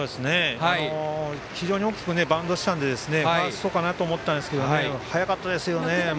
非常に大きくバウンドしたのでファーストかなと思ったんですけど速かったですね。